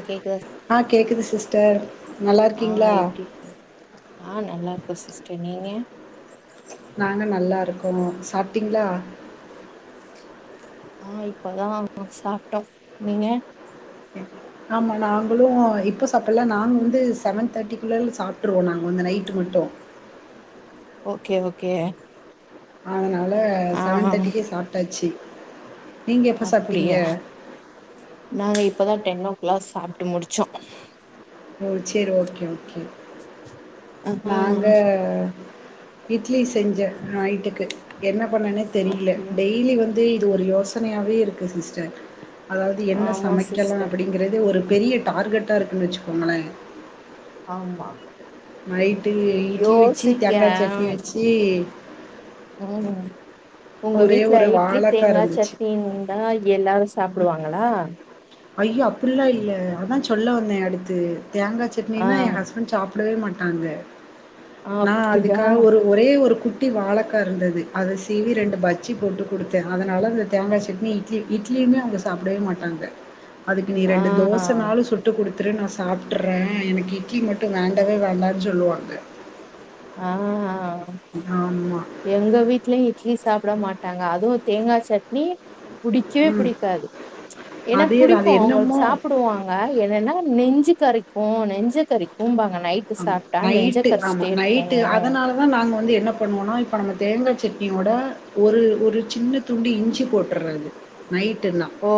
ஆ கேக்குதா ஆ கேக்குது சிஸ்டர் நல்லா ஆ இருக்கீங்ளா எப்டி இருக்கீங்க ஆ நல்லா இருக்கோ சிஸ்டர் நீங்க நாங்க நல்லா இருக்கோ சாப்ட்டிங்ளா ஆ இப்பதா சாப்ட்டாஸ் நீங்க ம் ஆமாம் நாங்களு இப்போ சாப்புல நாங்க வந்து சவன் தேர்ட்டிக்கு மேல சாப்புடுவோ நாங்க அந்த நைட்டு மட்டு ஓகே ஓகே அதனால ஆ சவன் தேர்ட்டிக்கே சாப்ட்டாச்சு நீங்க எப்ப சாப்ட்டீங்க அப்புடியா நாங்க இப்பதா டென்னோ கிளாக் சாப்ட்டு முடிச்சோ ஓ சேரி ஓகே ஓகே ஆ நாங்க இட்லி செஞ்ச நைட்டுக்கு என்ன பண்ணனே தெரில அப்டியா டெய்லி வந்து இது ஒரு யோசனையாவே இருக்கு சிஸ்டர் அதாவது என்ன ஆமா சமைக்கலா சிஸ்டர் அப்புடிங்கிறது ஒரு பெரிய டார்கெட்டா இருக்குன் வச்சுக்கோங்களே ஆமா நைட்டுக்கு இட்லி வச்சு யோசிக்க தேங்காய் சட்னி வச்சி ம் உங்க ஒரே வீட்ல ஒரு இட்லி வாழக்கா தேங்காய் இருந்துச்சு. சட்னி ஆ இது எல்லாரு சாப்டுவாங்களா ஐயோ அப்புட்லா இல்ல அதா சொல்ல வந்தே அடுத்து தேங்கா சட்னினா என் ஆ ஹஸ் பண் சாப்டவே மாட்டாங்க நா அப்டியா அதுக்காக ஒரு ஒரே ஒரு குட்டி வாழக்கா இருந்தது அத சீவி ரெண்டு பஜ்ஜி போட்டு குடுத்த அதனால அந்த தேங்கா சட்னி இட்லி இட்லியுமே அவ்ங்க சாப்புடவே மாட்டாங்க அதுக்கு நீ ரெண்டு தோச ஆ நாலு சு ட்டு குடுத்துரு நான் சாப்ட்ற எனக்கு இட்லி மட்டு வேண்டவே வேண்டான் சொல்லுவாங்க ஆ ஆமா எங்க வீட்லயு இட்லி சாப்ட மாட்டாங்க அதுவு தேங்கா சட்னி புடிக்கவே புடிக்காது எனா அதேதான். புடிக்கு அது அவ்ங்கது என்னமோ சாப்புடுவாங் க என்னனா நெஞ்சு கரைக்கு நெஞ்ச கரிக்கும்பாங்க நை ஆமா நைட்டு ஆமா நைட்டு அதனா லதா நாங்க வந்து என்ன பண்ணுவோனா இப்ப நம்ம தேங்கா சட்னியோட ஒரு ஒரு சின்ன துண்டு இஞ்சி போட்டுறது நைட்டுனா ஓ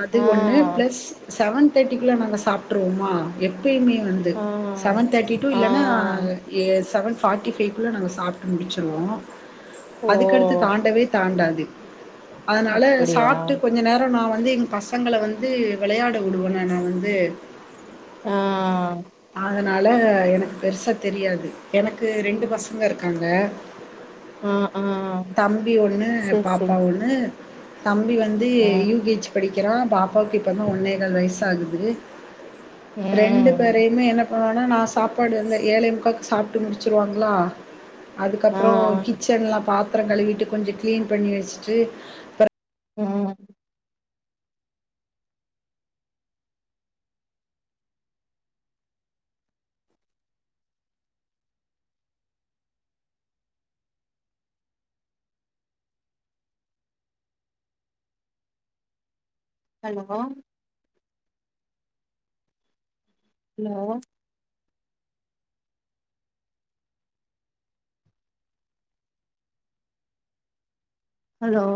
அது ஆ ஒன்னு பிளஸ் சவன் தேட்டிக்குள்ள நாங்க சாப்ட்ருவோமா எப்பயுமே வந்து ஆ சவன் தேட்டி டூ ஆ இல்லனா எ சவன் ஃபாட்டி ஃபைக்குள்ள நாங்க சாப்ட்டு முடிச்சுருவோ ஓ அதுக்கடுத்து தாண்டவே தாண்டாது அதனால அப்டியா சாப்ட்டு கொ ஞ்ச நேரோ நான் வந்து எங் பசங்கள வந்து விளையாட உடுவனா நா வந்து ஆ அதனால எனக்கு பெருசா தெரியாது எனக்கு ரெண்டு பசங்க இருக்காங்க ஆ ஆ தம்பி ஒன்னு சேரி பாப்பா சேரி ஒன்னு தம்பி வந்து ம் யு கே ச் படிக்கிறான் பாப் பாக்கு இப்பந்தா ஒன்னேகால் வய்ஸ் ஆகுது ரெண்டு ம் பேருயமே என்ன பண்ணுவனா நான் சாப்பாடு வந்து ஏழே முக்காக்கு சாப்ட்டு முடிச்சுருவாங்ளா ஆ அதுக்கப்புறோ கிச்சன்ல பாத்துரோ கழுவிட்டு கொஞ்சோ கிளீன் பண்ணி வச்சுட்டு ம் ம ஹலோ ஒ ஹலோ ஹலோ